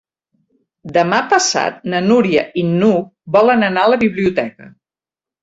Demà passat na Núria i n'Hug volen anar a la biblioteca.